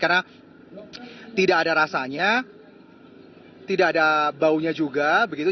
karena tidak ada rasanya tidak ada baunya juga begitu